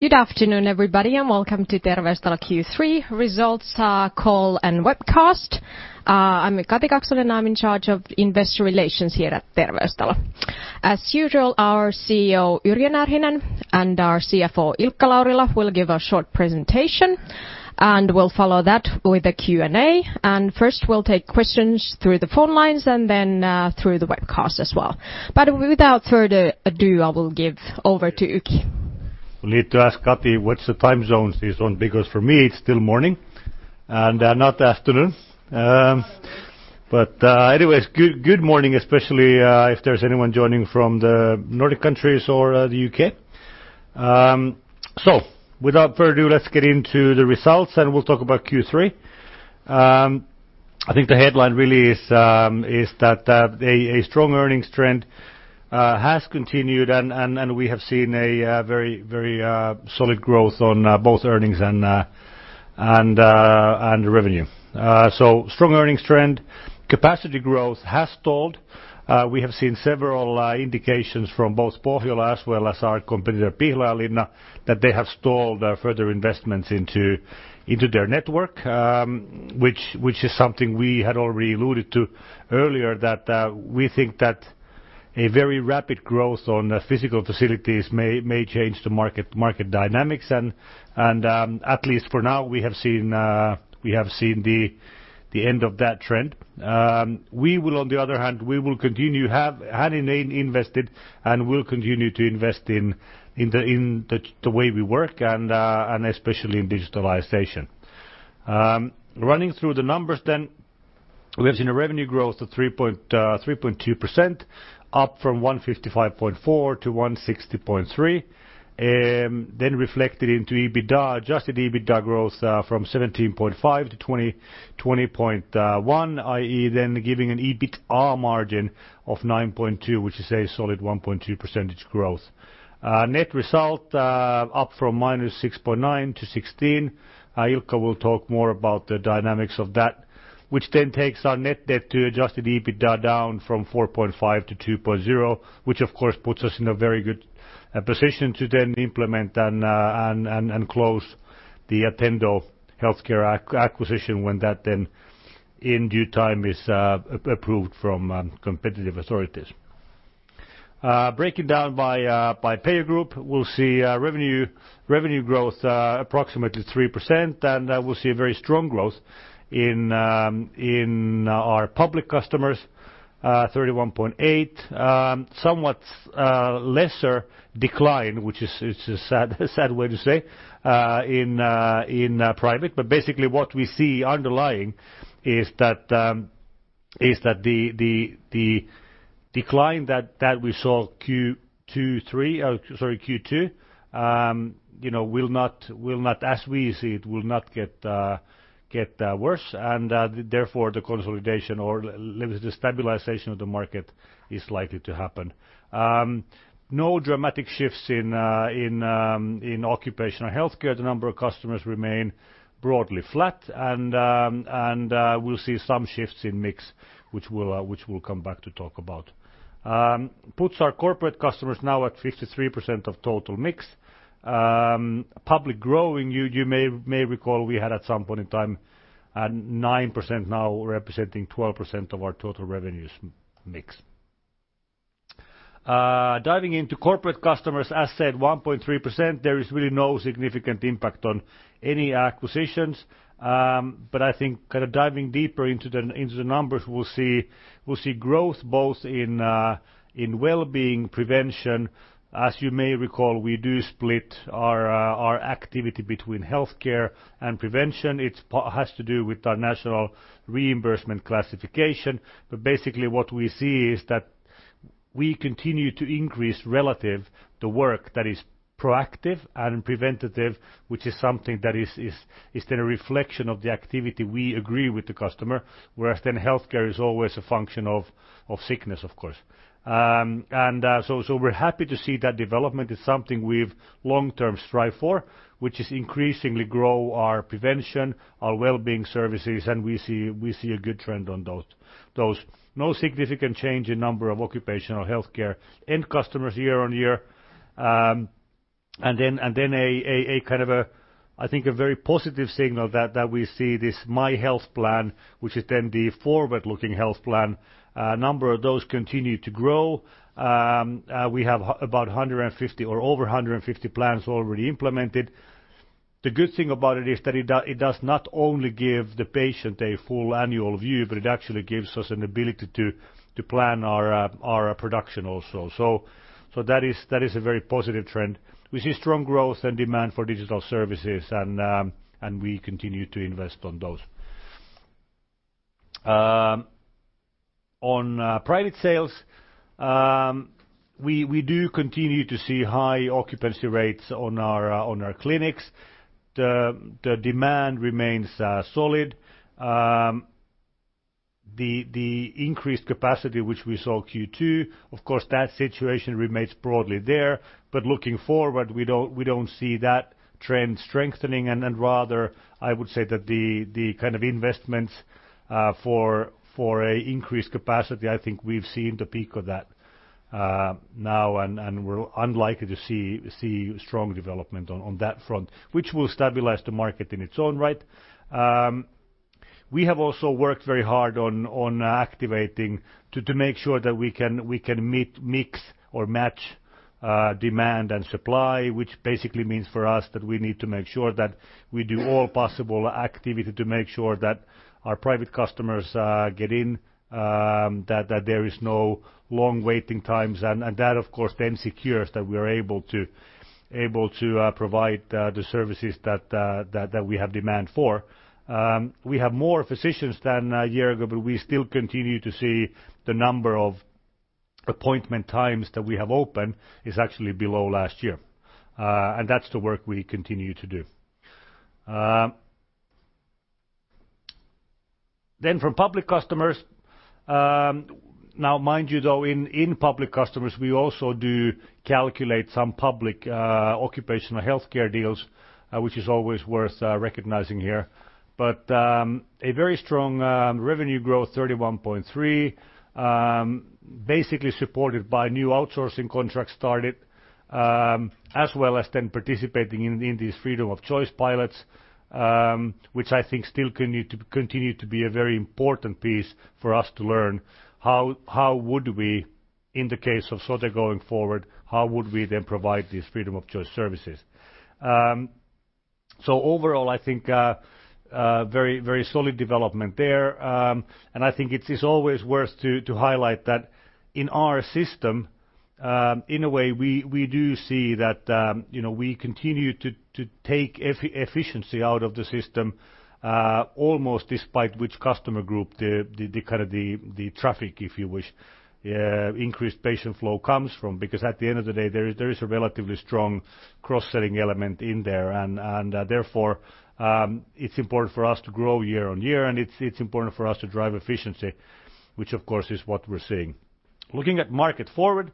Good afternoon, everybody, welcome to Terveystalo Q3 results call and webcast. I'm Kati Kaksonen, I'm in charge of Investor Relations here at Terveystalo. As usual, our CEO, Yrjö Närhinen, and our CFO, Ilkka Laurila, will give a short presentation, we'll follow that with a Q&A. First, we'll take questions through the phone lines and then through the webcast as well. Without further ado, I will give over to Yrjö. Need to ask Kati, what's the time zones this on? Because for me, it's still morning and not afternoon. Anyways, good morning, especially if there's anyone joining from the Nordic countries or the U.K. Without further ado, let's get into the results and we'll talk about Q3. I think the headline really is that a strong earnings trend has continued, we have seen a very solid growth on both earnings and revenue. Strong earnings trend. Capacity growth has stalled. We have seen several indications from both Pohjola as well as our competitor Pihlajalinna that they have stalled further investments into their network, which is something we had already alluded to earlier, that we think that a very rapid growth on physical facilities may change the market dynamics and at least for now, we have seen the end of that trend. We will on the other hand, have invested and will continue to invest in the way we work and especially in digitalization. Running through the numbers, we have seen a revenue growth of 3.2%, up from 155.4 million to 160.3 million. Reflected into EBITDA, adjusted EBITDA growth from 17.5 million to 20.1 million, i.e., giving an EBITA margin of 9.2%, which is a solid 1.2 percentage growth. Net result up from -6.9 million to 16 million. Ilkka will talk more about the dynamics of that, which then takes our net debt to adjusted EBITDA down from 4.5 to 2.0, which of course puts us in a very good position to then implement and close the Attendo healthcare acquisition when that in due time is approved from competitive authorities. Breaking down by payer group, we'll see revenue growth approximately 3%, we'll see a very strong growth in our public customers, 31.8%. Somewhat lesser decline, which is a sad way to say, in private. Basically, what we see underlying is that the decline that we saw Q2, as we see it, will not get worse and therefore the consolidation or the stabilization of the market is likely to happen. No dramatic shifts in occupational healthcare. The number of customers remain broadly flat, we'll see some shifts in mix which we'll come back to talk about. Puts our corporate customers now at 53% of total mix. Public growing, you may recall we had at some point in time at 9%, now representing 12% of our total revenues mix. Diving into corporate customers, as said, 1.3%, there is really no significant impact on any acquisitions. I think kind of diving deeper into the numbers, we'll see growth both in wellbeing prevention. As you may recall, we do split our activity between healthcare and prevention. It has to do with our national reimbursement classification. Basically, what we see is that we continue to increase relative the work that is proactive and preventative, which is something that is then a reflection of the activity we agree with the customer, whereas then healthcare is always a function of sickness, of course. We're happy to see that development is something we've long-term strive for, which is increasingly grow our prevention, our wellbeing services, and we see a good trend on those. No significant change in number of occupational healthcare end customers year-over-year. A kind of, I think, a very positive signal that we see this MyHealthPlan, which is then the forward-looking health plan, number of those continue to grow. We have about 150 or over 150 plans already implemented. The good thing about it is that it does not only give the patient a full annual view, but it actually gives us an ability to plan our production also. That is a very positive trend. We see strong growth and demand for digital services, and we continue to invest on those. On private sales, we do continue to see high occupancy rates on our clinics. The demand remains solid. The increased capacity which we saw Q2, of course, that situation remains broadly there, but looking forward, we don't see that trend strengthening and rather, I would say that the kind of investments for increased capacity, I think we've seen the peak of that now, and we're unlikely to see strong development on that front, which will stabilize the market in its own right. We have also worked very hard on activating to make sure that we can mix or match demand and supply, which basically means for us that we need to make sure that we do all possible activity to make sure that our private customers get in, that there is no long waiting times. That, of course, then secures that we're able to provide the services that we have demand for. We have more physicians than a year ago, but we still continue to see the number of appointment times that we have open is actually below last year. That's the work we continue to do. From public customers, now mind you though, in public customers, we also do calculate some public occupational healthcare deals, which is always worth recognizing here. A very strong revenue growth, 31.3%, basically supported by new outsourcing contracts started, as well as then participating in these freedom of choice pilots, which I think still continue to be a very important piece for us to learn how would we, in the case of Sote going forward, how would we then provide these freedom of choice services. Overall, I think very solid development there. I think it is always worth to highlight that in our system, in a way, we do see that we continue to take efficiency out of the system, almost despite which customer group, the traffic, if you wish, increased patient flow comes from. At the end of the day, there is a relatively strong cross-selling element in there, and therefore it's important for us to grow year-on-year and it's important for us to drive efficiency, which of course is what we're seeing. Looking at market forward,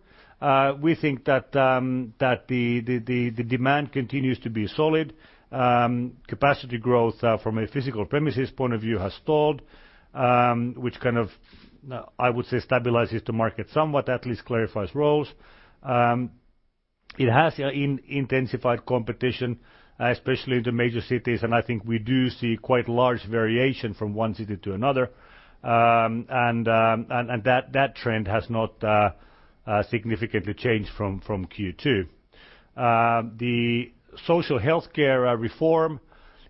we think that the demand continues to be solid. Capacity growth from a physical premises point of view has stalled, which kind of, I would say, stabilizes the market somewhat, at least clarifies roles. It has intensified competition, especially in the major cities, and I think we do see quite large variation from one city to another. That trend has not significantly changed from Q2. The Sote reform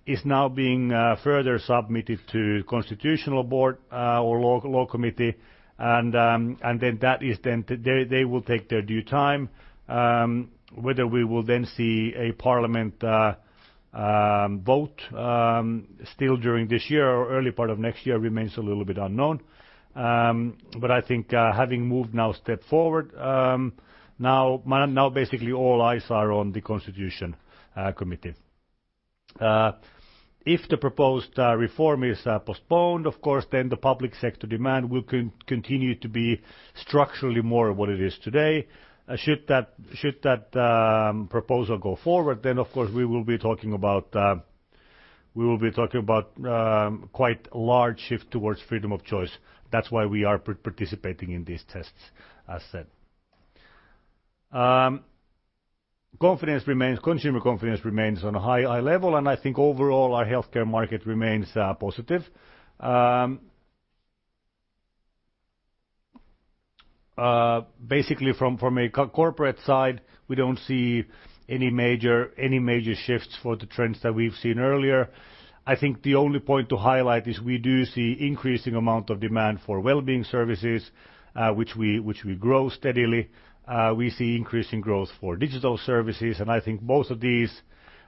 is now being further submitted to constitutional board or law committee. Then they will take their due time. Whether we will then see a parliament vote still during this year or early part of next year remains a little bit unknown. I think having moved now a step forward, now basically all eyes are on the constitution committee. If the proposed reform is postponed, of course, then the public sector demand will continue to be structurally more of what it is today. Should that proposal go forward, then of course we will be talking about quite a large shift towards freedom of choice. That's why we are participating in these tests, as said. Consumer confidence remains on a high level, and I think overall our healthcare market remains positive. Basically, from a corporate side, we don't see any major shifts for the trends that we've seen earlier. I think the only point to highlight is we do see increasing amount of demand for well-being services, which we grow steadily. We see increasing growth for digital services, and I think both of these,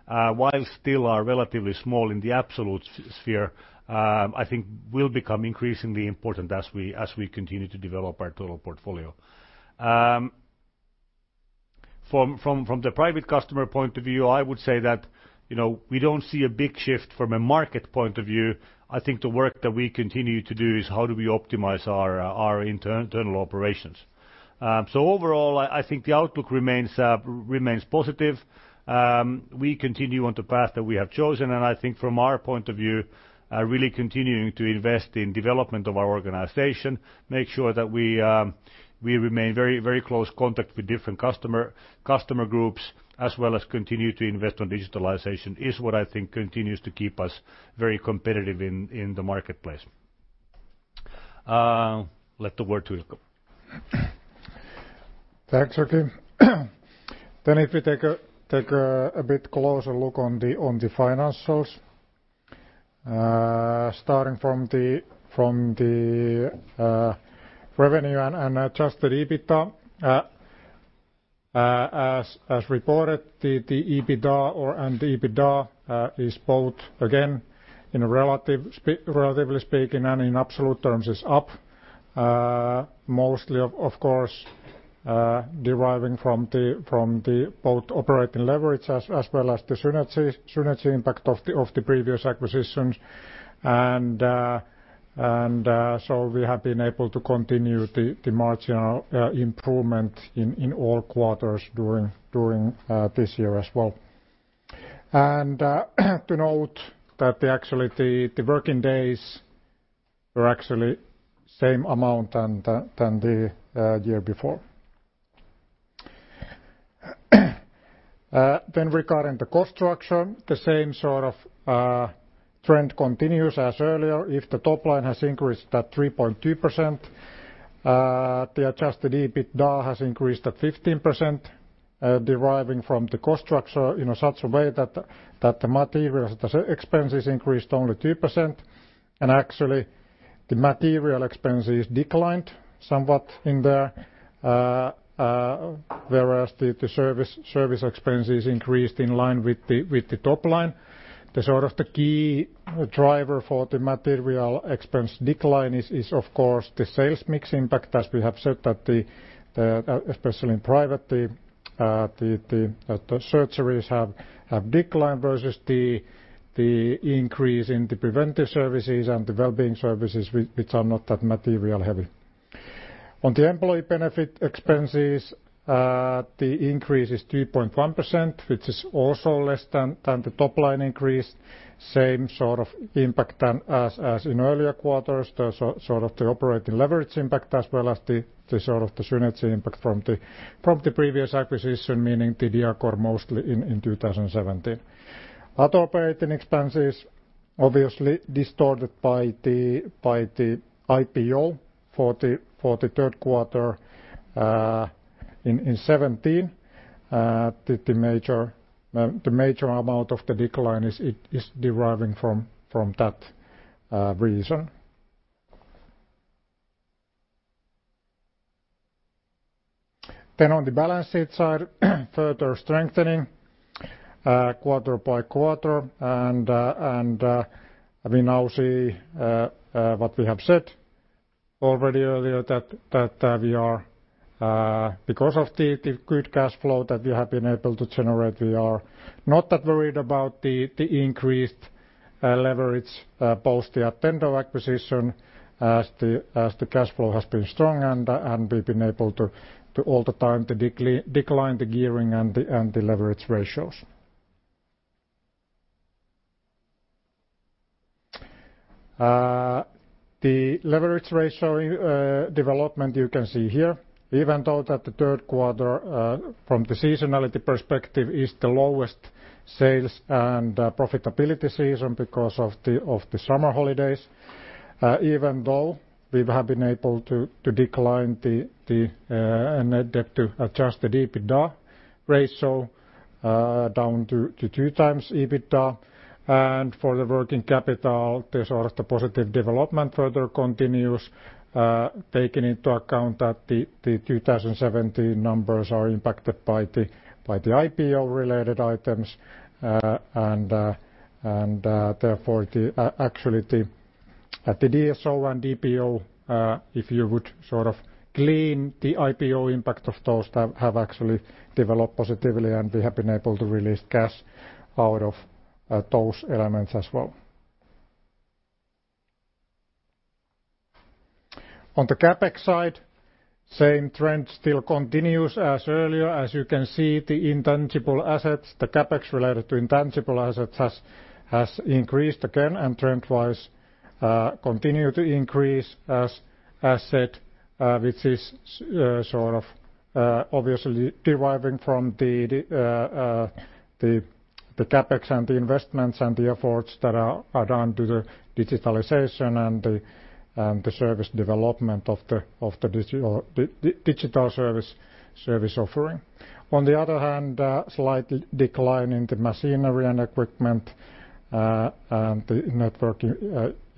while still are relatively small in the absolute sphere, I think will become increasingly important as we continue to develop our total portfolio. From the private customer point of view, I would say that we don't see a big shift from a market point of view. I think the work that we continue to do is how do we optimize our internal operations. Overall, I think the outlook remains positive. We continue on the path that we have chosen. I think from our point of view, really continuing to invest in development of our organization, make sure that we remain very close contact with different customer groups, as well as continue to invest on digitalization is what I think continues to keep us very competitive in the marketplace. Let the word to Ilkka. Thanks, Yrjö. If we take a bit closer look on the financials, starting from the revenue and adjusted EBITDA. As reported, the EBITDA and the EBITDA is both, again, relatively speaking and in absolute terms is up. Mostly, of course, deriving from the both operating leverage as well as the synergy impact of the previous acquisitions. We have been able to continue the marginal improvement in all quarters during this year as well. To note that actually the working days are actually same amount than the year before. Regarding the cost structure, the same sort of trend continues as earlier. If the top line has increased at 3.2%, the adjusted EBITDA has increased at 15%, deriving from the cost structure in such a way that the material expenses increased only 2%, and actually the material expenses declined somewhat in there, whereas the service expenses increased in line with the top line. The sort of the key driver for the material expense decline is, of course, the sales mix impact, as we have said that especially in private, the surgeries have declined versus the increase in the preventive services and the well-being services, which are not that material heavy. On the employee benefit expenses, the increase is 2.1%, which is also less than the top-line increase, same sort of impact as in earlier quarters. The sort of the operating leverage impact as well as the sort of the synergy impact from the previous acquisition, meaning the Diacor mostly in 2017. Other operating expenses obviously distorted by the IPO for the third quarter in 2017. The major amount of the decline is deriving from that reason. On the balance sheet side, further strengthening quarter by quarter and we now see what we have said already earlier, that because of the good cash flow that we have been able to generate, we are not that worried about the increased leverage, both the Attendo acquisition as the cash flow has been strong and we've been able to all the time decline the gearing and the leverage ratios. The leverage ratio development you can see here, even though that the third quarter, from the seasonality perspective, is the lowest sales and profitability season because of the summer holidays, even though we have been able to decline the net debt to adjusted EBITDA ratio down to 2x EBITDA. For the working capital, the sort of the positive development further continues, taking into account that the 2017 numbers are impacted by the IPO-related items and therefore, actually at the DSO and DPO, if you would sort of clean the IPO impact of those, have actually developed positively, and we have been able to release cash out of those elements as well. On the CapEx side, same trend still continues as earlier. As you can see, the intangible assets, the CapEx related to intangible assets has increased again and trend-wise continue to increase as said, which is sort of obviously deriving from the CapEx and the investments and the efforts that are done to the digitalization and the service development of the digital service offering. On the other hand, slight decline in the machinery and equipment, and the network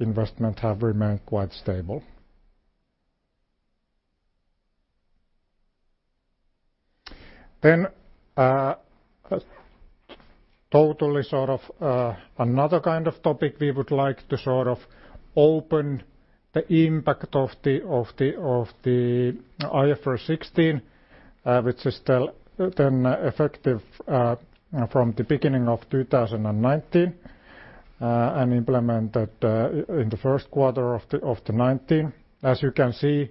investment have remained quite stable. Totally sort of another kind of topic we would like to sort of open the impact of the IFRS 16, which is effective from the beginning of 2019, and implemented in the first quarter of 2019. As you can see,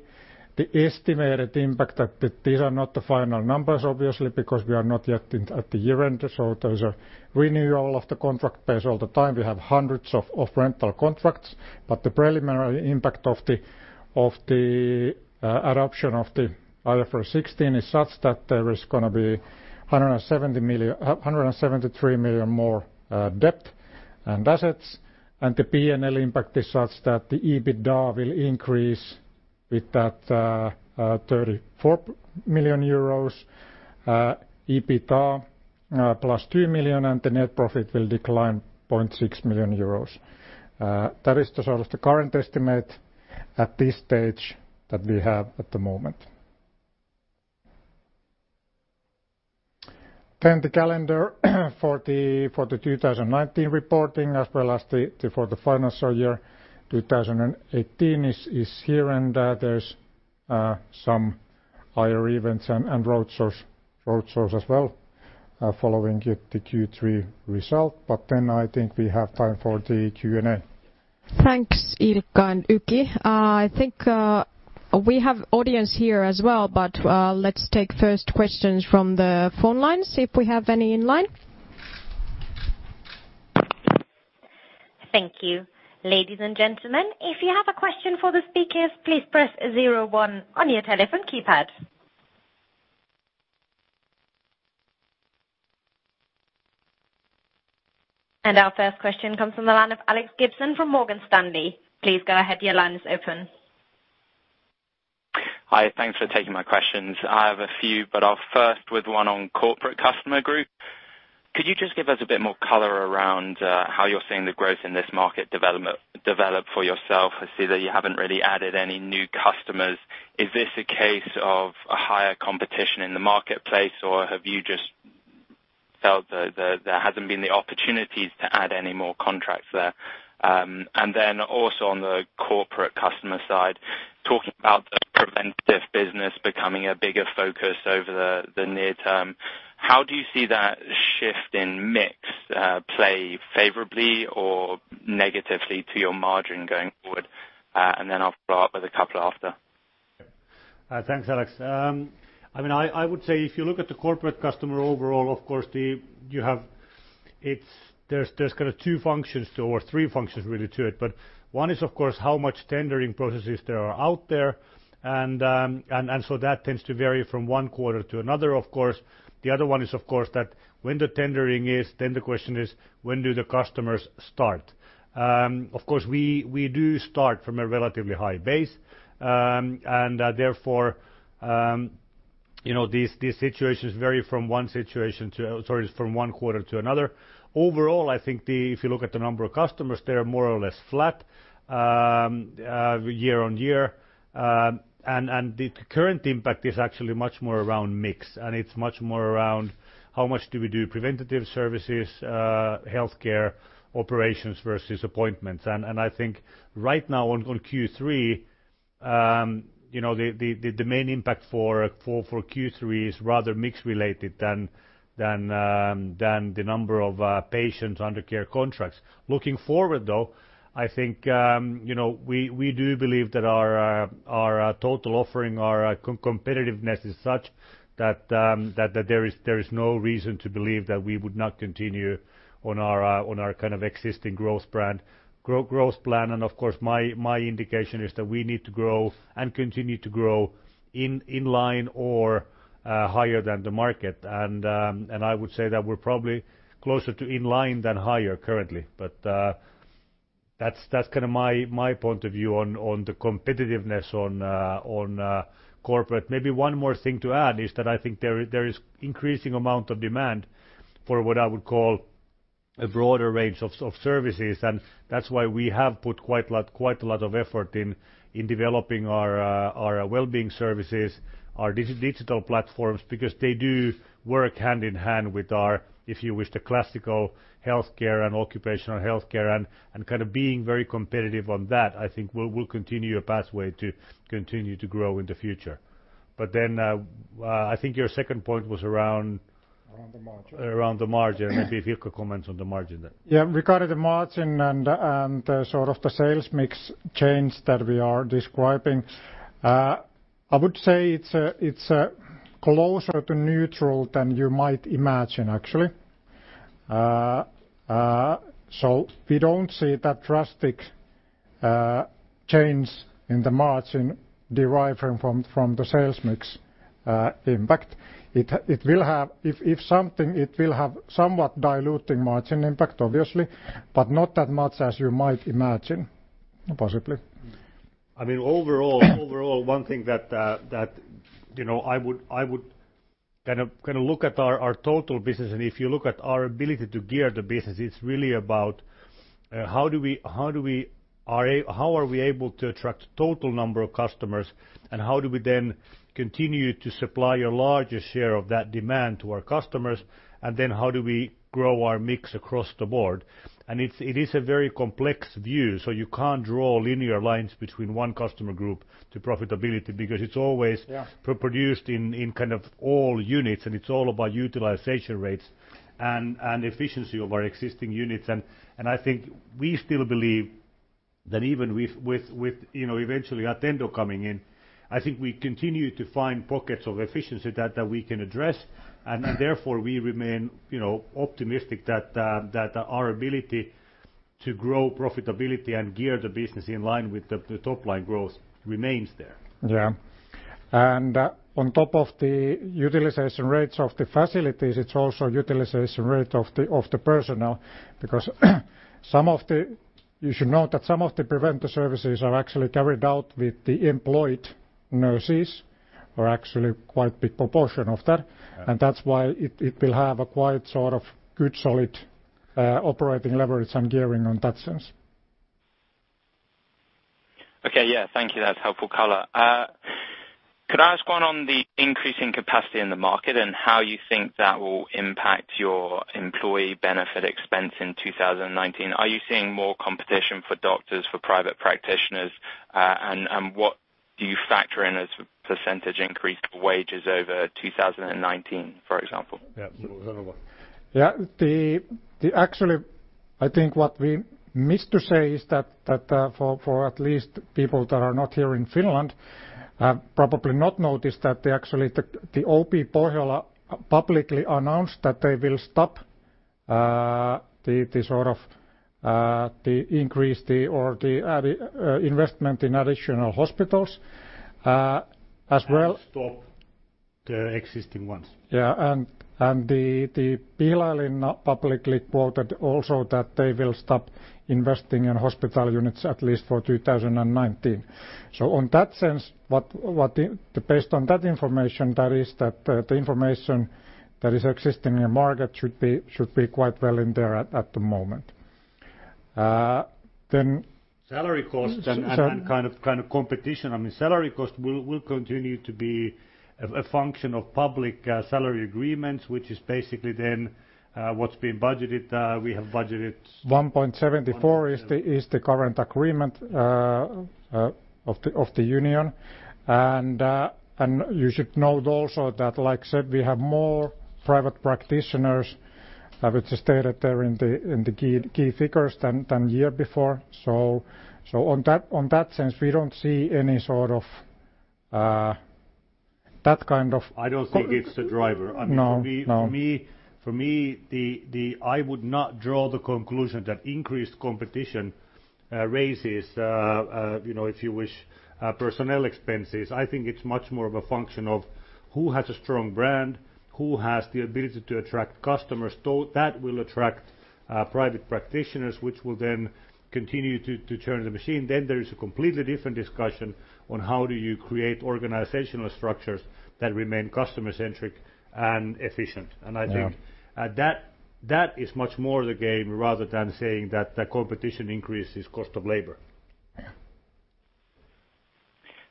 the estimated impact that these are not the final numbers, obviously, because we are not yet at the year-end, so there is a renewal of the contract base all the time. We have hundreds of rental contracts, but the preliminary impact of the adoption of the IFRS 16 is such that there is going to be 173 million more debt and assets, and the P&L impact is such that the EBITDA will increase with that 34 million euros, EBITDA +2 million, and the net profit will decline 0.6 million euros. That is the sort of the current estimate at this stage that we have at the moment. The calendar for the 2019 reporting as well as for the financial year 2018 is here and there. There is some IR events and roadshows as well following the Q3 result. I think we have time for the Q&A. Thanks, Ilkka and Yrjö. I think we have audience here as well, but let's take first questions from the phone lines, see if we have any in line. Thank you. Ladies and gentlemen, if you have a question for the speakers, please press zero one on your telephone keypad. Our first question comes from the line of Alex Gibson from Morgan Stanley. Please go ahead. Your line is open. Hi. Thanks for taking my questions. I have a few, but I'll first with one on corporate customer group. Could you just give us a bit more color around how you're seeing the growth in this market develop for yourself? I see that you haven't really added any new customers. Is this a case of a higher competition in the marketplace, or have you just felt that there hasn't been the opportunities to add any more contracts there? Also on the corporate customer side, talking about the preventive business becoming a bigger focus over the near term, how do you see that shift in mix play favorably or negatively to your margin going forward? I'll follow up with a couple after. Thanks, Alex. I would say if you look at the corporate customer overall, of course, there's kind of two functions or three functions really to it. One is, of course, how much tendering processes there are out there. That tends to vary from one quarter to another, of course. The other one is, of course, that when the tendering is, the question is when do the customers start? Of course, we do start from a relatively high base. Therefore, these situations vary from one quarter to another. Overall, I think if you look at the number of customers, they are more or less flat year-on-year. The current impact is actually much more around mix, and it's much more around how much do we do preventative services, healthcare operations versus appointments. I think right now on Q3, the main impact for Q3 is rather mix related than the number of patients under care contracts. Looking forward, though, I think we do believe that our total offering, our competitiveness is such that there is no reason to believe that we would not continue on our kind of existing growth plan. Of course, my indication is that we need to grow and continue to grow in line or higher than the market. I would say that we're probably closer to in line than higher currently. That's kind of my point of view on the competitiveness on corporate. Maybe one more thing to add is that I think there is increasing amount of demand for what I would call a broader range of services, and that's why we have put quite a lot of effort in developing our wellbeing services, our digital platforms, because they do work hand in hand with our, if you wish, the classical healthcare and occupational healthcare and kind of being very competitive on that, I think will continue a pathway to continue to grow in the future. I think your second point was around- Around the margin around the margin. Maybe if you could comment on the margin then. Yeah. Regarding the margin and the sort of the sales mix change that we are describing, I would say it's closer to neutral than you might imagine, actually. We don't see that drastic change in the margin deriving from the sales mix impact. If something, it will have somewhat diluting margin impact, obviously, but not that much as you might imagine, possibly. Overall, one thing that I would kind of look at our total business, and if you look at our ability to gear the business, it's really about how are we able to attract total number of customers and how do we then continue to supply a larger share of that demand to our customers, and then how do we grow our mix across the board? It is a very complex view, so you can't draw linear lines between one customer group to profitability because it's always- Yeah -produced in kind of all units, and it's all about utilization rates and efficiency of our existing units. I think we still believe that even with eventually Attendo coming in, I think we continue to find pockets of efficiency that we can address, and therefore we remain optimistic that our ability to grow profitability and gear the business in line with the top line growth remains there. Yeah. On top of the utilization rates of the facilities, it's also utilization rate of the personnel, because you should note that some of the preventive services are actually carried out with the employed nurses or actually quite big proportion of that. Yeah. That's why it will have a quite sort of good solid operating leverage and gearing on that sense. Okay. Yeah. Thank you. That's helpful color. Could I ask one on the increasing capacity in the market and how you think that will impact your employee benefit expense in 2019? Are you seeing more competition for doctors, for private practitioners? Do you factor in as percentage increase to wages over 2019, for example? Yes. Yeah. Actually, I think what we missed to say is that for at least people that are not here in Finland, have probably not noticed that actually the OP Pohjola publicly announced that they will stop the increase or the investment in additional hospitals as well. Stop the existing ones. Yeah.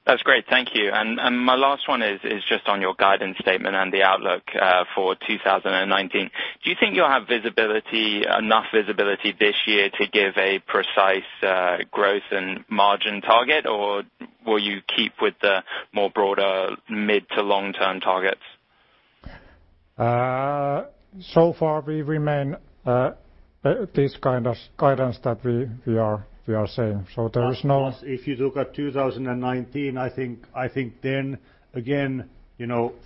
That's great. Thank you. My last one is just on your guidance statement and the outlook for 2019. Do you think you'll have enough visibility this year to give a precise growth and margin target, or will you keep with the more broader mid to long-term targets? Far we remain this kind of guidance that we are saying. If you look at 2019, I think then again,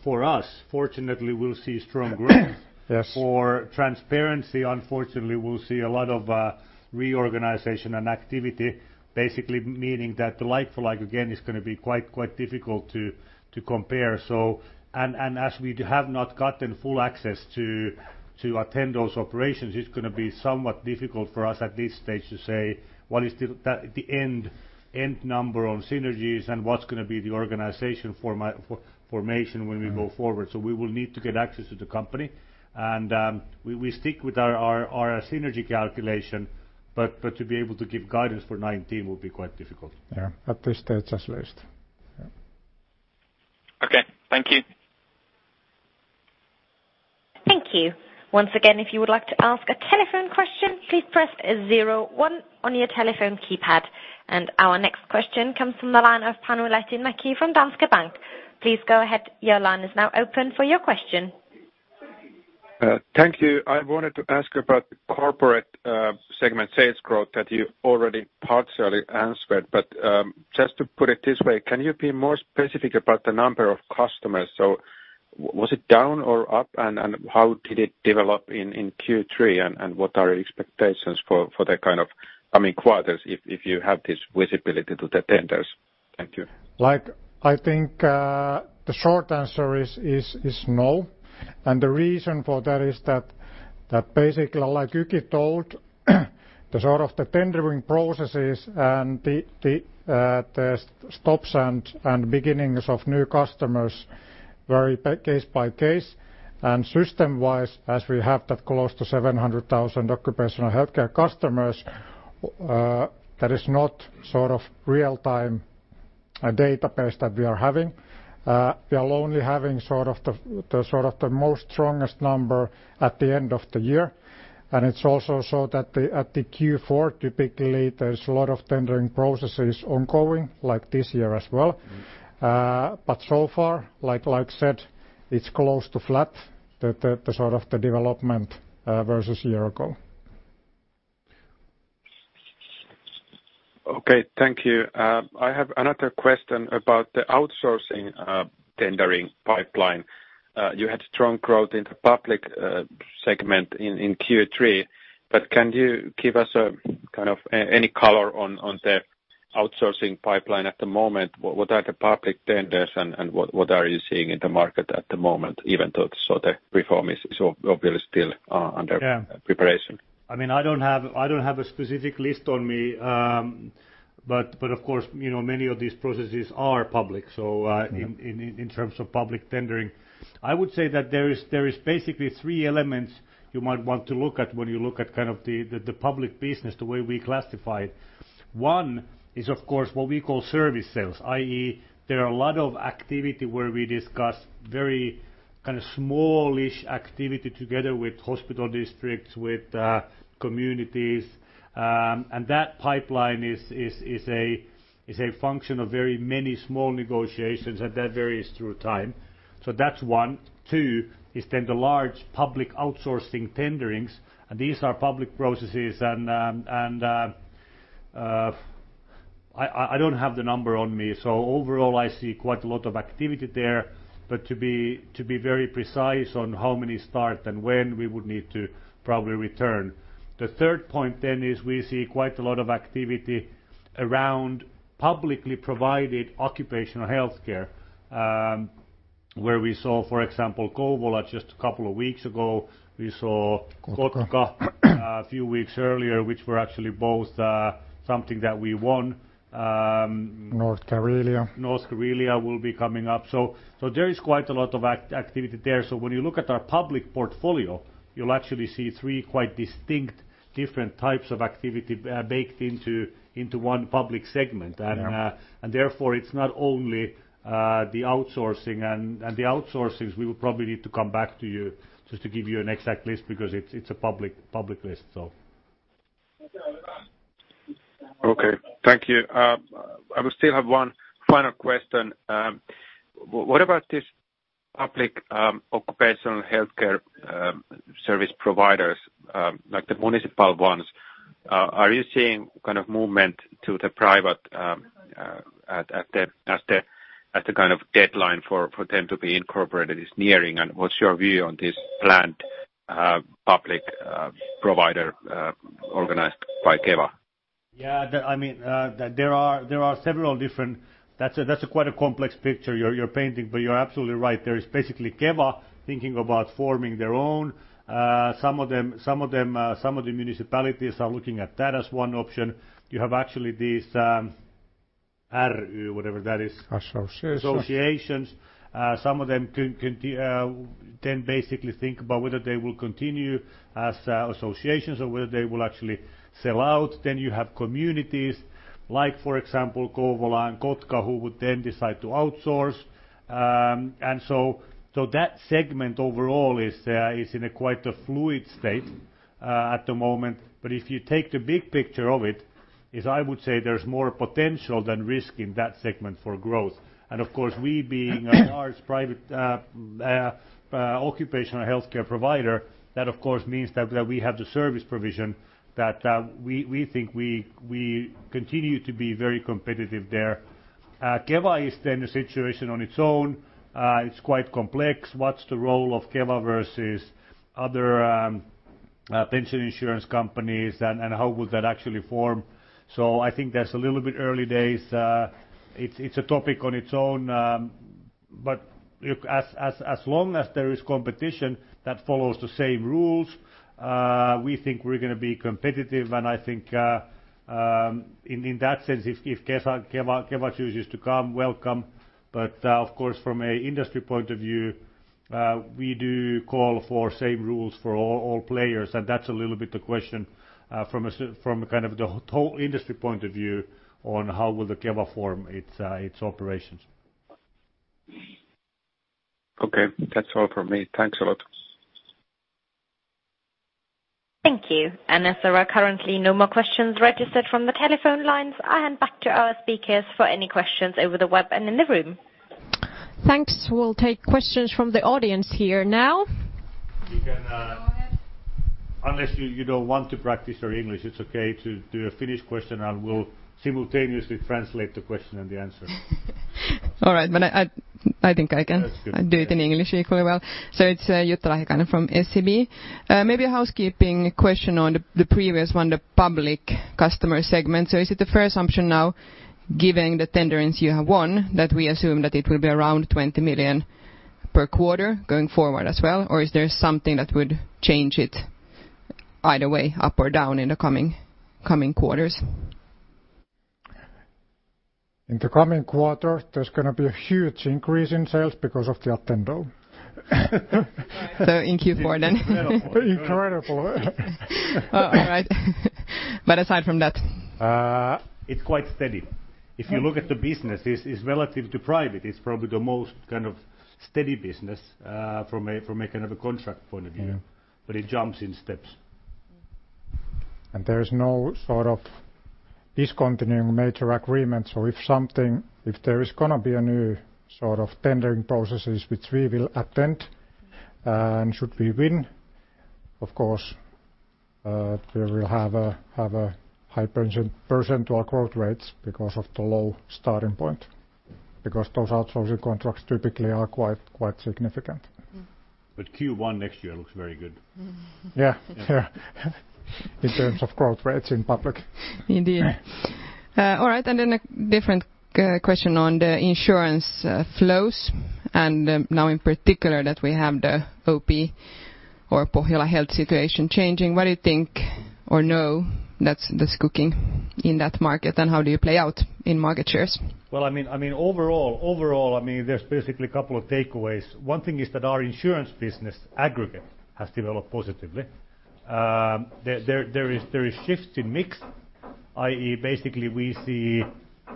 for us, fortunately, we'll see strong growth. Yes. For transparency, unfortunately, we'll see a lot of reorganization and activity, basically meaning that the like-for-like, again, is going to be quite difficult to compare. As we have not gotten full access to Attendo's operations, it's going to be somewhat difficult for us at this stage to say what is the end number on synergies and what's going to be the organization formation when we go forward. We will need to get access to the company. We stick with our synergy calculation, but to be able to give guidance for 2019 will be quite difficult. Yeah. At this stage at least. Yeah. Okay. Thank you. Thank you. Once again, if you would like to ask a telephone question, please press zero one on your telephone keypad. Our next question comes from the line of Panu Laitinmäki from Danske Bank. Please go ahead. Your line is now open for your question. Thank you. I wanted to ask about the corporate segment sales growth that you already partially answered. Just to put it this way, can you be more specific about the number of customers? Was it down or up, and how did it develop in Q3, and what are your expectations for the kind of coming quarters if you have this visibility to the tenders? Thank you. I think the short answer is no. The reason for that is that basically, like Yrjö told, the sort of the tendering processes and the stops and beginnings of new customers vary case by case. System-wise, as we have that close to 700,000 occupational healthcare customers that is not sort of real-time database that we are having. We are only having the most strongest number at the end of the year, and it's also so that at the Q4, typically there's a lot of tendering processes ongoing, like this year as well. So far, like I said, it's close to flat, the sort of the development versus year ago. Okay, thank you. I have another question about the outsourcing tendering pipeline. You had strong growth in the public segment in Q3, can you give us any color on the outsourcing pipeline at the moment? What are the public tenders, and what are you seeing in the market at the moment, even though the reform is obviously still under preparation? Yeah. I don't have a specific list on me. Of course, many of these processes are public, so in terms of public tendering. I would say that there is basically three elements you might want to look at when you look at the public business the way we classify it. One is, of course, what we call service sales, i.e., there are a lot of activity where we discuss very smallish activity together with hospital districts, with communities. That pipeline is a function of very many small negotiations, and that varies through time. That's one. Two is the large public outsourcing tenderings, and these are public processes. I don't have the number on me. Overall, I see quite a lot of activity there. To be very precise on how many start and when, we would need to probably return. The third point is we see quite a lot of activity around publicly provided occupational healthcare, where we saw, for example, Kouvola just a couple of weeks ago. We saw. Kotka Kotka a few weeks earlier, which were actually both something that we won. North Karelia. North Karelia will be coming up. There is quite a lot of activity there. When you look at our public portfolio, you'll actually see three quite distinct different types of activity baked into one public segment. Yeah. Therefore, it's not only the outsourcing. The outsources, we will probably need to come back to you just to give you an exact list, because it's a public list. Okay, thank you. I still have one final question. What about this public occupational healthcare service providers, like the municipal ones? Are you seeing kind of movement to the private at the kind of deadline for them to be incorporated is nearing? What's your view on this planned public provider organized by Keva? Yeah, that's a quite a complex picture you're painting, but you're absolutely right. There is basically Keva thinking about forming their own. Some of the municipalities are looking at that as one option. Associations. Associations. Some of them can then basically think about whether they will continue as associations or whether they will actually sell out. You have communities like, for example, Kouvola and Kotka, who would then decide to outsource. That segment overall is in a quite a fluid state at the moment. If you take the big picture of it, is I would say there's more potential than risk in that segment for growth. Of course, we being a large private occupational healthcare provider, that of course means that we have the service provision that we think we continue to be very competitive there. Keva is a situation on its own. It's quite complex. What's the role of Keva versus other pension insurance companies, and how will that actually form? I think that's a little bit early days. It's a topic on its own. Look, as long as there is competition that follows the same rules, we think we're going to be competitive, and I think, in that sense, if Keva chooses to come, welcome. Of course, from a industry point of view, we do call for same rules for all players, and that's a little bit the question from kind of the whole industry point of view on how will the Keva form its operations. Okay. That's all from me. Thanks a lot. Thank you. As there are currently no more questions registered from the telephone lines, I hand back to our speakers for any questions over the web and in the room. Thanks. We'll take questions from the audience here now. You can- Go ahead. Unless you don't want to practice your English, it's okay to do a Finnish question, and we'll simultaneously translate the question and the answer. All right. That's good I think I can do it in English equally well. It is Jutta Rahikainen from SEB. Maybe a housekeeping question on the previous one, the public customer segment. Is it the fair assumption now, given the tenderings you have won, that we assume that it will be around 20 million per quarter going forward as well? Or is there something that would change it either way, up or down in the coming quarters? In the coming quarter, there is going to be a huge increase in sales because of the Attendo. In Q4. Incredible. Incredible. All right. Aside from that. It's quite steady. If you look at the business, it's relative to private. It's probably the most kind of steady business from a kind of a contract point of view. Yeah. It jumps in steps. There is no sort of discontinuing major agreement. If there is going to be a new sort of tendering processes which we will attend, and should we win, of course, we will have a high percentual growth rates because of the low starting point, because those outsourcing contracts typically are quite significant. Q1 next year looks very good. Yeah. In terms of growth rates in public. Indeed. All right, a different question on the insurance flows, and now in particular that we have the OP or Pohjola Health situation changing. What do you think or know that's cooking in that market, and how do you play out in market shares? Well, overall, there are basically two takeaways. One thing is that our insurance business aggregate has developed positively. There is shift in mix, i.e., basically we see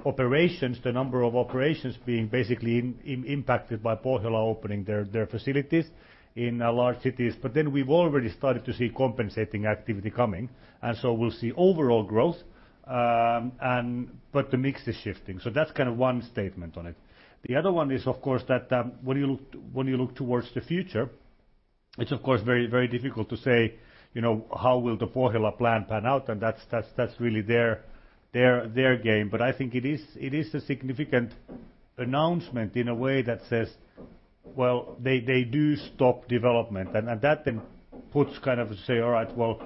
operations, the number of operations being basically impacted by Pohjola opening their facilities in large cities. Then we've already started to see compensating activity coming. So we'll see overall growth, but the mix is shifting. That's kind of one statement on it. The other one is, of course, that when you look towards the future. It's, of course, very difficult to say how will the Pohjola plan pan out, and that's really their game. I think it is a significant announcement in a way that says they do stop development. That then puts kind of a say, all right, well,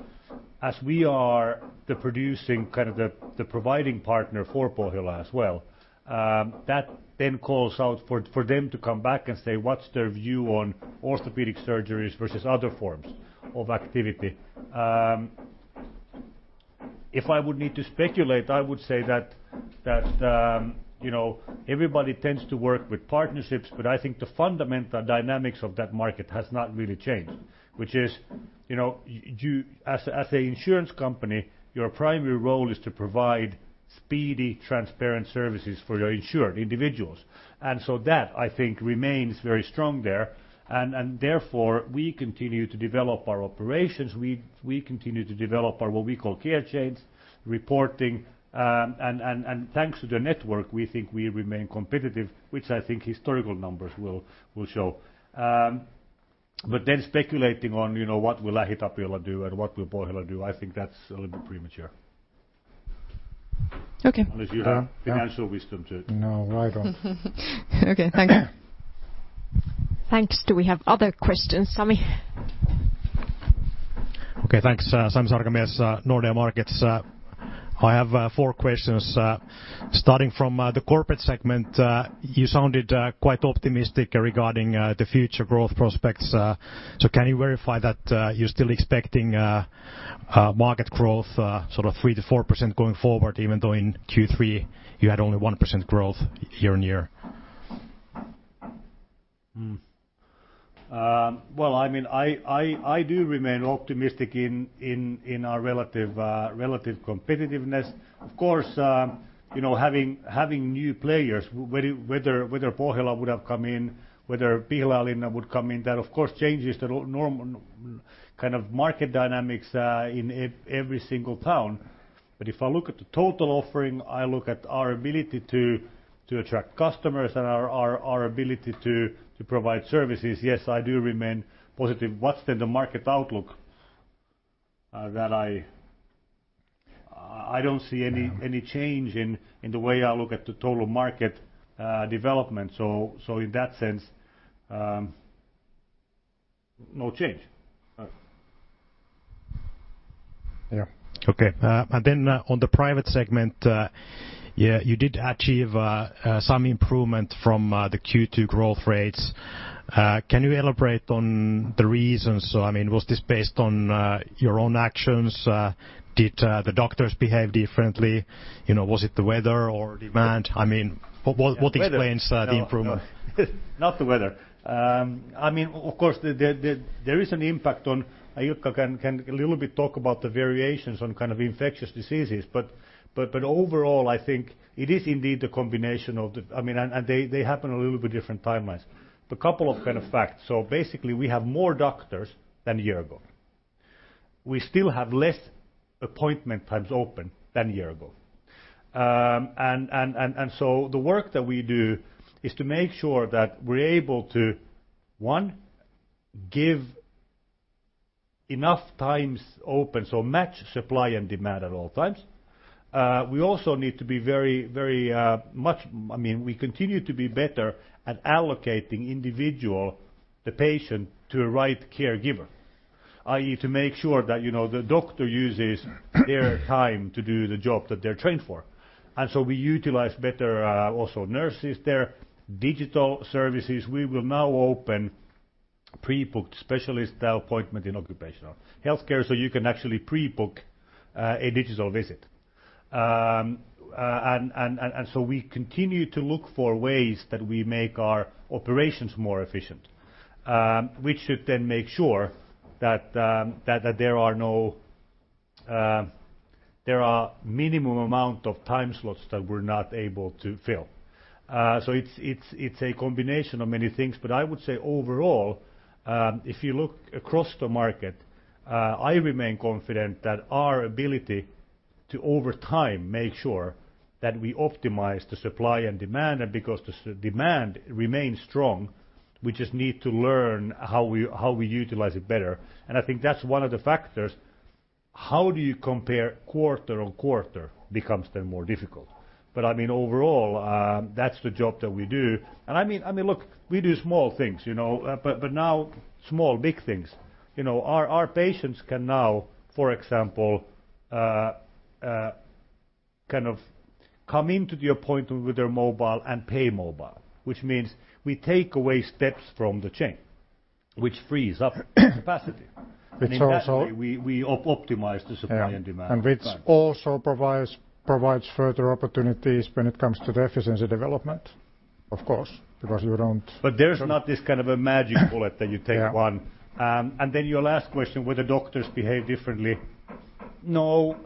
as we are the producing, the providing partner for Pohjola as well, that then calls out for them to come back and say what's their view on orthopedic surgeries versus other forms of activity. If I would need to speculate, I would say that everybody tends to work with partnerships, but I think the fundamental dynamics of that market has not really changed, which is as an insurance company, your primary role is to provide speedy, transparent services for your insured individuals. That I think remains very strong there, and therefore, we continue to develop our operations. We continue to develop our what we call care chains, reporting. Thanks to the network, we think we remain competitive, which I think historical numbers will show. Then speculating on what will LähiTapiola do and what will Pohjola do, I think that's a little bit premature. Okay. Unless you have financial wisdom. No, I don't. Okay, thank you. Thanks. Do we have other questions, Sami? Okay, thanks. Sami Sarkamies, Nordea Markets. I have four questions. Starting from the corporate segment, you sounded quite optimistic regarding the future growth prospects. Can you verify that you're still expecting market growth sort of 3%-4% going forward, even though in Q3 you had only 1% growth year-on-year? Well, I do remain optimistic in our relative competitiveness. Of course, having new players, whether Pohjola would have come in, whether Pihlajalinna would come in, that of course changes the normal kind of market dynamics in every single town. If I look at the total offering, I look at our ability to attract customers and our ability to provide services. Yes, I do remain positive. What's then the market outlook? That I don't see any change in the way I look at the total market development. In that sense, no change. Okay. Then on the private segment, you did achieve some improvement from the Q2 growth rates. Can you elaborate on the reasons? Was this based on your own actions? Did the doctors behave differently? Was it the weather or demand? What explains the improvement? Not the weather. Of course, there is an impact on Ilkka can a little bit talk about the variations on infectious diseases, but overall, I think it is indeed a combination of. They happen a little bit different timelines. Couple of kind of facts. Basically, we have more doctors than a year ago. We still have less appointment times open than a year ago. The work that we do is to make sure that we're able to, one, give enough times open, so match supply and demand at all times. We also need to continue to be better at allocating individual, the patient, to a right caregiver, i.e., to make sure that the doctor uses their time to do the job that they're trained for. We utilize better also nurses there, digital services. We will now open pre-booked specialist teleappointment in occupational healthcare so you can actually pre-book a digital visit. We continue to look for ways that we make our operations more efficient, which should then make sure that there are minimum amount of time slots that we're not able to fill. It's a combination of many things. I would say overall, if you look across the market, I remain confident that our ability to, over time, make sure that we optimize the supply and demand, and because the demand remains strong, we just need to learn how we utilize it better. I think that's one of the factors. How do you compare quarter on quarter becomes then more difficult. Overall, that's the job that we do. Look, we do small things, but now small, big things. Our patients can now, for example, kind of come into the appointment with their mobile and pay mobile, which means we take away steps from the chain, which frees up capacity. It's also. We optimize the supply and demand. Yeah. Which also provides further opportunities when it comes to the efficiency development. Of course. You don't. There's not this kind of a magic bullet that you take one. Yeah. Your last question, will the doctors behave differently? No.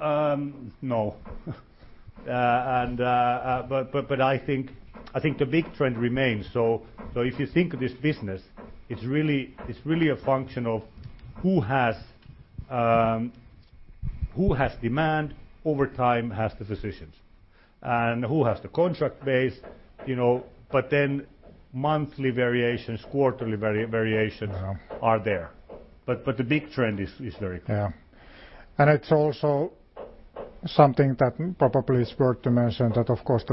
I think the big trend remains. If you think of this business, it's really a function of who has demand over time has the physicians. Who has the contract base, monthly variations, quarterly variations are there. The big trend is very clear. Yeah. It's also something that probably is worth to mention that, of course,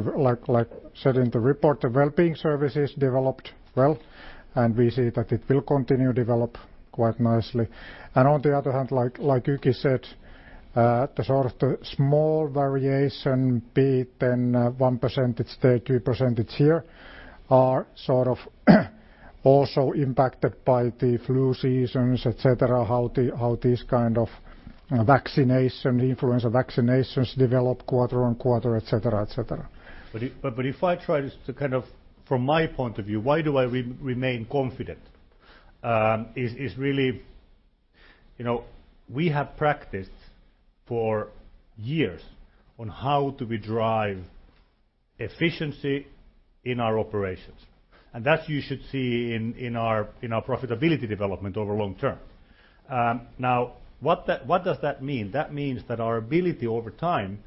like said in the report, the well-being services developed well. We see that it will continue to develop quite nicely. On the other hand, like Yrjö said, the small variation, be it then 1% it's there, 2% it's here, are also impacted by the flu seasons, et cetera, how these kind of influenza vaccinations develop quarter-on-quarter, et cetera. If I try to, from my point of view, why do I remain confident? We have practiced for years on how do we drive efficiency in our operations. That you should see in our profitability development over long term. What does that mean? Means that our ability over time,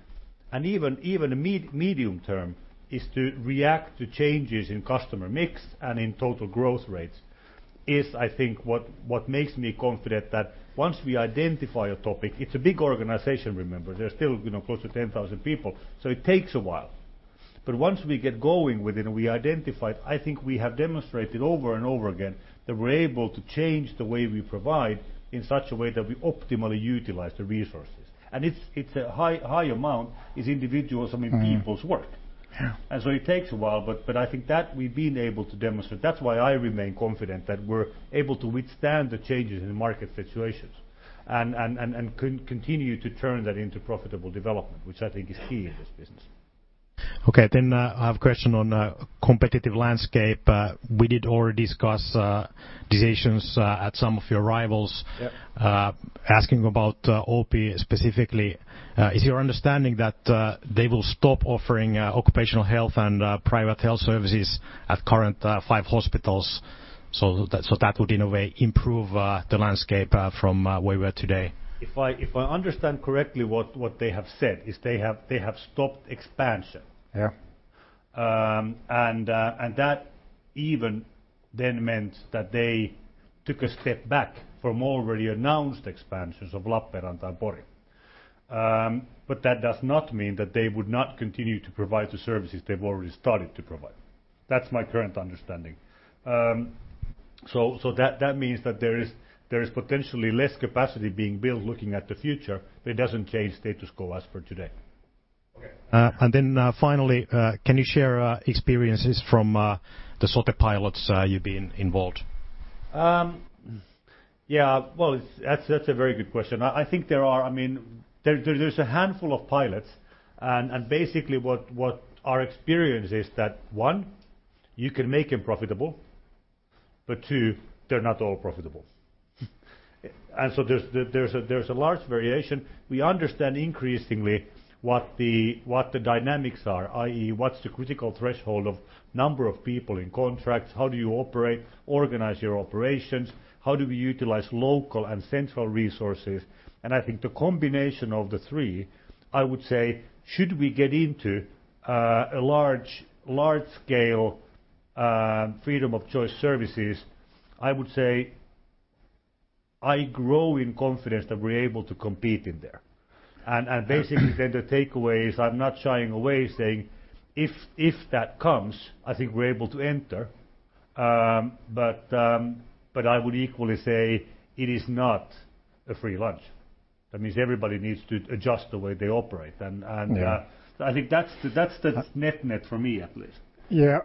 and even medium term, is to react to changes in customer mix and in total growth rates is, I think, what makes me confident that once we identify a topic, it's a big organization, remember. There's still close to 10,000 people, so it takes a while. Once we get going with it and we identify it, I think we have demonstrated over and over again that we're able to change the way we provide in such a way that we optimally utilize the resources. It's a high amount is individuals, I mean people's work. Yeah. It takes a while, I think that we've been able to demonstrate. That's why I remain confident that we're able to withstand the changes in the market situations and continue to turn that into profitable development, which I think is key in this business. I have a question on competitive landscape. We did already discuss decisions at some of your rivals- Yep asking about OP specifically. Is it your understanding that they will stop offering occupational health and private health services at current five hospitals, that would, in a way, improve the landscape from where we are today? If I understand correctly, what they have said is they have stopped expansion. Yeah. That even then meant that they took a step back from already announced expansions of Lappeenranta and Pori. That does not mean that they would not continue to provide the services they've already started to provide. That's my current understanding. That means that there is potentially less capacity being built looking at the future, but it doesn't change status quo as for today. Okay. Then finally, can you share experiences from the Sote pilots you've been involved? Yeah. Well, that's a very good question. I think there's a handful of pilots, basically what our experience is that, one, you can make them profitable, but two, they're not all profitable. There's a large variation. We understand increasingly what the dynamics are, i.e. what's the critical threshold of number of people in contracts, how do you operate, organize your operations, how do we utilize local and central resources. I think the combination of the three, I would say should we get into a large scale freedom of choice services, I would say I grow in confidence that we're able to compete in there. Basically then the takeaway is I'm not shying away saying, "If that comes, I think we're able to enter." I would equally say it is not a free lunch. That means everybody needs to adjust the way they operate. Yeah. I think that's the net for me, at least. Yeah.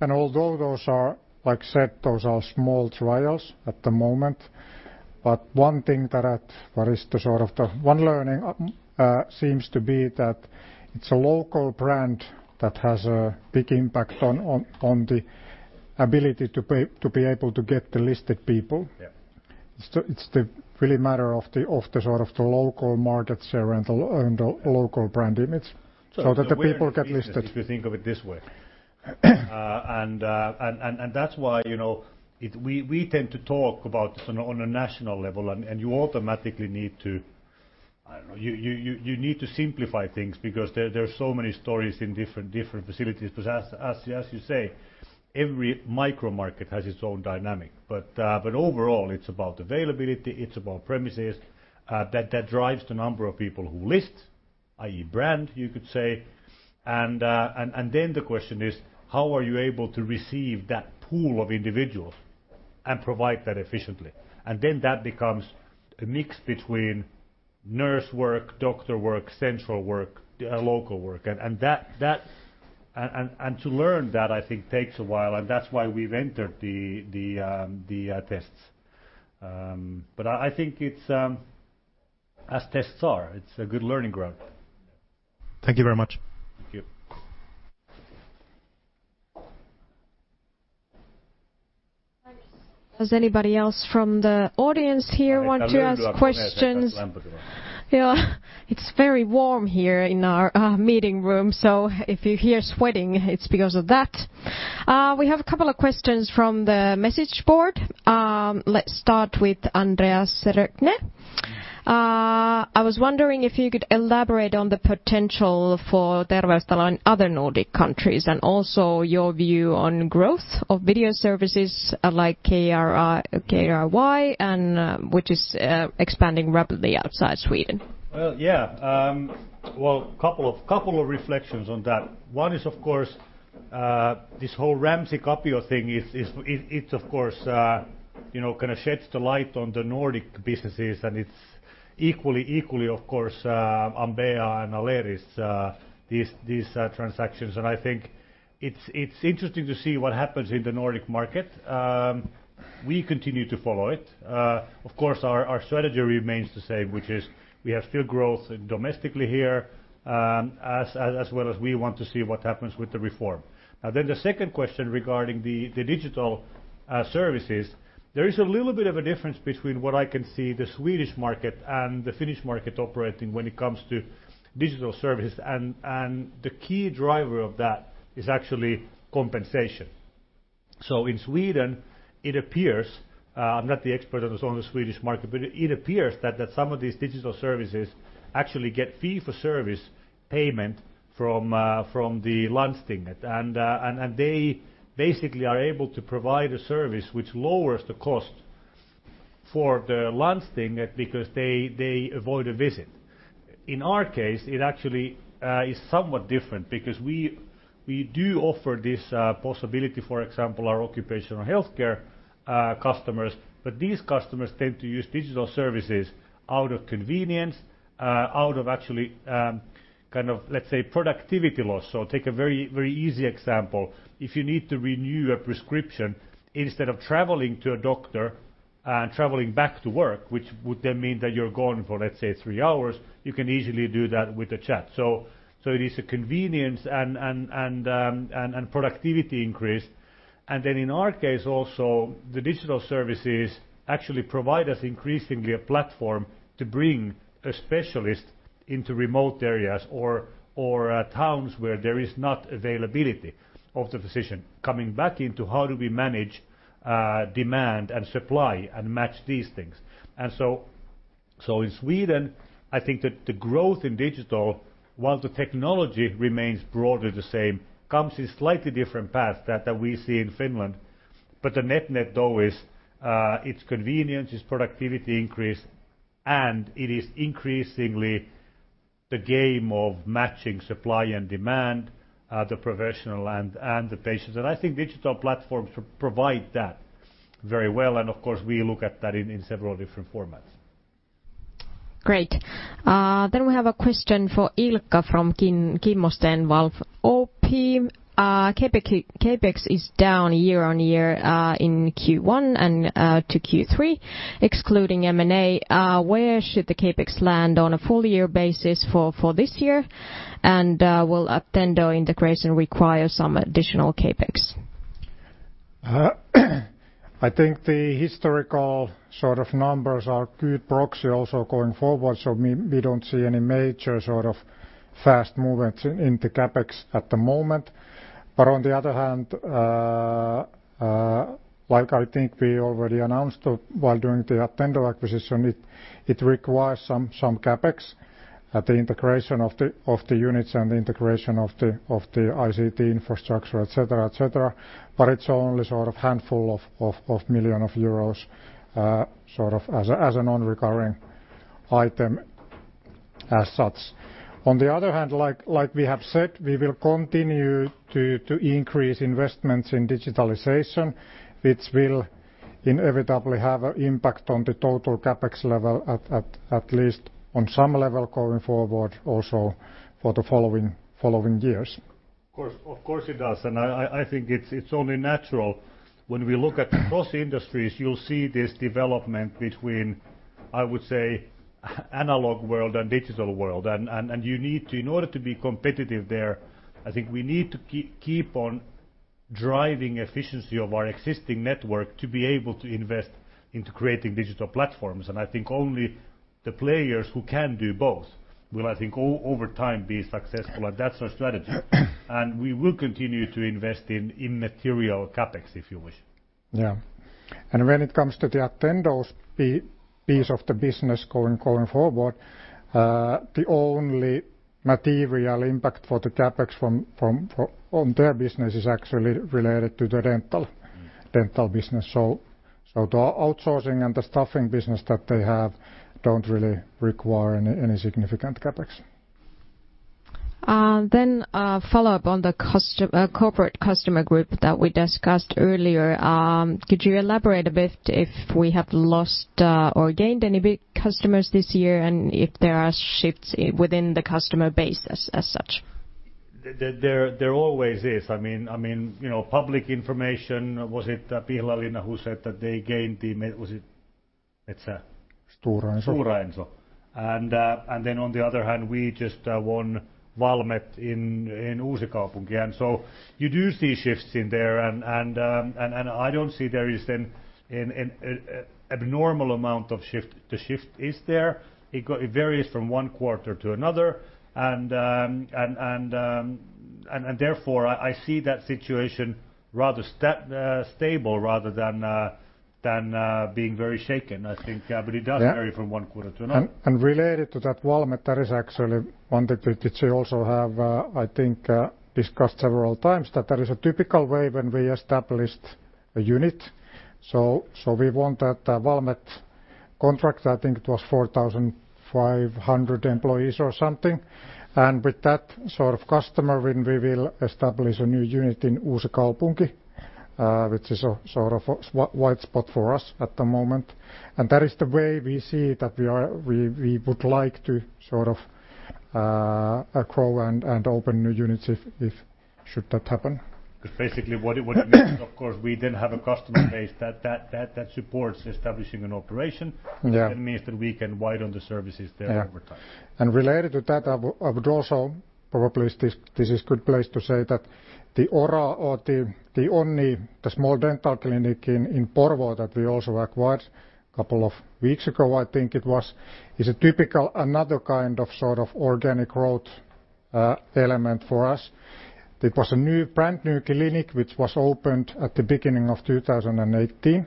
Although those are, like said, those are small trials at the moment, one thing that is the sort of the one learning seems to be that it's a local brand that has a big impact on the ability to be able to get the listed people. Yeah. It's really a matter of the local market share and the local brand image, so that the people get listed. If you think of it this way. That's why we tend to talk about this on a national level and you automatically need to, I don't know, you need to simplify things because there are so many stories in different facilities. As you say, every micro market has its own dynamic. Overall, it's about availability, it's about premises, that drives the number of people who list, i.e., brand, you could say. Then the question is: How are you able to receive that pool of individuals and provide that efficiently? Then that becomes a mix between nurse work, doctor work, central work, local work. To learn that I think takes a while, and that's why we've entered the tests. I think it's, as tests are, it's a good learning ground. Thank you very much. Thank you. Thanks. Does anybody else from the audience here want to ask questions? Yeah. It's very warm here in our meeting room, so if you hear sweating, it's because of that. We have a couple of questions from the message board. Let's start with Andreas Røhne. I was wondering if you could elaborate on the potential for Terveystalo in other Nordic countries, and also your view on growth of video services like Kry, which is expanding rapidly outside Sweden. Well, yeah. A couple of reflections on that. One is, of course, this whole Ramsay Capio thing, it kind of sheds the light on the Nordic businesses, and it's equally, of course, Ambea and Aleris, these transactions. I think it's interesting to see what happens in the Nordic market. We continue to follow it. Of course, our strategy remains the same, which is we have still growth domestically here, as well as we want to see what happens with the reform. The second question regarding the digital services, there is a little bit of a difference between what I can see the Swedish market and the Finnish market operating when it comes to digital services, and the key driver of that is actually compensation. In Sweden, it appears, I'm not the expert, of course, on the Swedish market, but it appears that some of these digital services actually get fee-for-service payment from the landsting, and they basically are able to provide a service which lowers the cost for the landsting because they avoid a visit. In our case, it actually is somewhat different because we do offer this possibility, for example, our occupational healthcare customers, but these customers tend to use digital services out of convenience, out of actually, let's say, productivity loss. Take a very easy example. If you need to renew a prescription, instead of traveling to a doctor and traveling back to work, which would then mean that you're gone for, let's say, three hours, you can easily do that with a chat. It is a convenience and productivity increase. In our case also, the digital services actually provide us increasingly a platform to bring a specialist into remote areas or towns where there is not availability of the physician. Coming back into how do we manage demand and supply and match these things. In Sweden, I think that the growth in digital, while the technology remains broadly the same, comes in slightly different paths that we see in Finland. The net though is it's convenience, it's productivity increase, and it is increasingly the game of matching supply and demand at the professional and the patients. I think digital platforms provide that very well, and of course, we look at that in several different formats. Great. We have a question for Ilkka from Kimmo Stenvall, OP. CapEx is down year-on-year in Q1 and to Q3, excluding M&A. Where should the CapEx land on a full year basis for this year? Will Attendo integration require some additional CapEx? I think the historical sort of numbers are good proxy also going forward. We don't see any major sort of fast movements in the CapEx at the moment. On the other hand, like I think we already announced while doing the Attendo acquisition, it requires some CapEx at the integration of the units and the integration of the ICT infrastructure, et cetera. It's only sort of handful of million of euros sort of as a non-recurring item as such. On the other hand, like we have said, we will continue to increase investments in digitalization, which will inevitably have an impact on the total CapEx level at least on some level going forward also for the following years. Of course it does, and I think it's only natural when we look at across industries, you'll see this development between, I would say, analog world and digital world. In order to be competitive there, I think we need to keep on driving efficiency of our existing network to be able to invest into creating digital platforms. I think only the players who can do both will, I think, over time be successful, and that's our strategy. We will continue to invest in material CapEx, if you wish. Yeah. When it comes to the Attendo piece of the business going forward, the only material impact for the CapEx on their business is actually related to the dental business. The outsourcing and the staffing business that they have don't really require any significant CapEx. A follow-up on the corporate customer group that we discussed earlier. Could you elaborate a bit if we have lost or gained any big customers this year and if there are shifts within the customer base as such? There always is. Public information, was it Pihlajalinna who said that they gained the Stora Enso. Stora Enso. On the other hand, we just won Valmet in Uusikaupunki, you do see shifts in there, I don't see there is an abnormal amount of shift. The shift is there. It varies from one quarter to another, therefore, I see that situation rather stable rather than being very shaken, I think. It does vary from one quarter to another. Related to that, Valmet, that is actually one that we also have, I think, discussed several times, that there is a typical way when we established a unit. We want that Valmet contract, I think it was 4,500 employees or something. With that sort of customer, when we will establish a new unit in Uusikaupunki which is a sort of white spot for us at the moment. That is the way we see that we would like to sort of grow and open new units should that happen. Basically what it means, of course, we then have a customer base that supports establishing an operation. Yeah. Which then means that we can widen the services there over time. Yeah. Related to that, I would also probably this is good place to say that the Ora or the ONNI, the small dental clinic in Porvoo that we also acquired a couple of weeks ago, I think it was, is a typical another kind of sort of organic growth element for us. It was a brand-new clinic, which was opened at the beginning of 2018.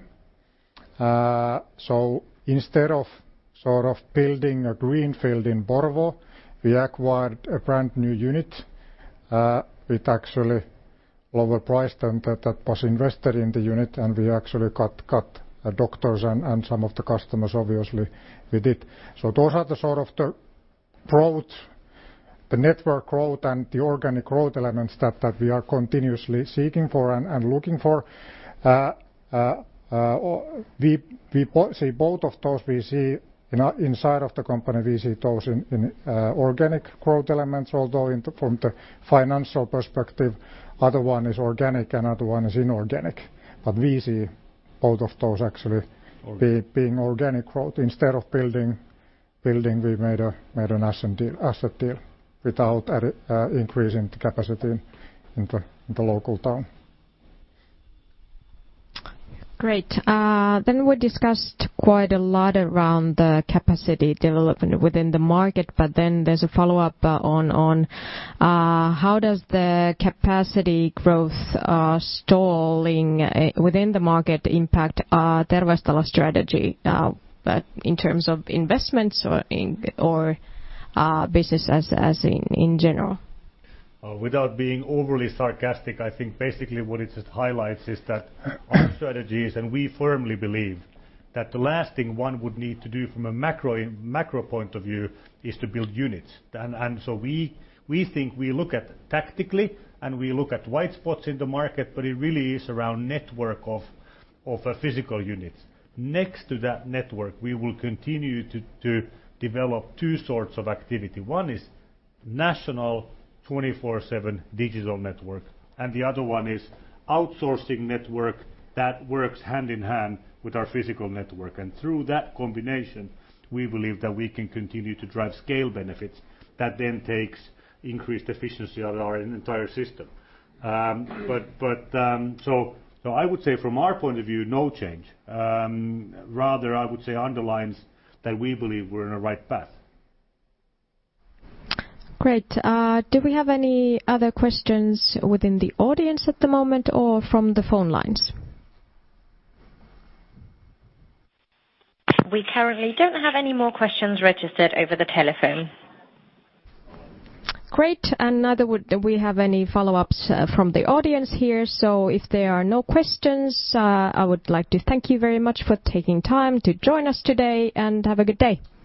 Instead of building a greenfield in Porvoo, we acquired a brand-new unit with actually lower price than that was invested in the unit. We actually got doctors and some of the customers, obviously we did. Those are the sort of the network growth and the organic growth elements that we are continuously seeking for and looking for. Both of those we see inside of the company, we see those in organic growth elements, although from the financial perspective, other one is organic, another one is inorganic. We see both of those actually being organic growth. Instead of building, we made an asset deal without increasing the capacity in the local town. Great. We discussed quite a lot around the capacity development within the market. There's a follow-up on how does the capacity growth stalling within the market impact Terveystalo strategy in terms of investments or business as in general? Without being overly sarcastic, I think basically what it just highlights is that our strategies, and we firmly believe that the last thing one would need to do from a macro point of view is to build units. We think we look at tactically and we look at white spots in the market, it really is around network of physical units. Next to that network, we will continue to develop two sorts of activity. One is national 24/7 digital network, and the other one is outsourcing network that works hand-in-hand with our physical network. Through that combination, we believe that we can continue to drive scale benefits that then takes increased efficiency of our entire system. I would say from our point of view, no change. Rather, I would say underlines that we believe we're in a right path. Great. Do we have any other questions within the audience at the moment or from the phone lines? We currently don't have any more questions registered over the telephone. Great. Neither would we have any follow-ups from the audience here. If there are no questions, I would like to thank you very much for taking time to join us today and have a good day. Thank you.